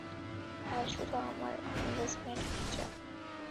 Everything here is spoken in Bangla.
কাল শুধু আমার এনগেজমেন্ট, পূজা।